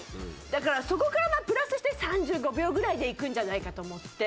だからそこからプラスして３５秒ぐらいでいくんじゃないかと思って。